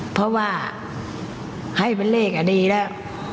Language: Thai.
เพราะว่าให้เป็นเลขดีแล้ว